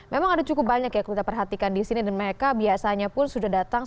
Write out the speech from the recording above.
memang ada cukup banyak ya kalau kita perhatikan di sini dan mereka biasanya pun sudah datang